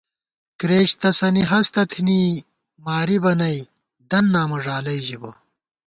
کرېچ تسَنی ہستہ تھنی، مارِبہ نئ دَن نامہ ݫالَئ ژِبہ